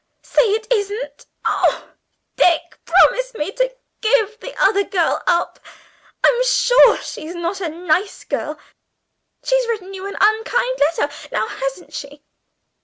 Say it isn't! Oh, Dick, promise to give the other girl up. I'm sure she's not a nice girl. She's written you an unkind letter; now hasn't she?"